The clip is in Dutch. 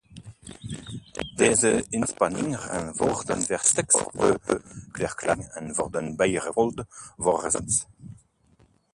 Deze inspanningen worden versterkt door de verklaring en worden bijgevolg voortgezet.